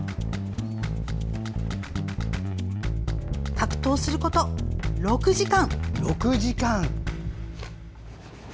格闘すること６時間。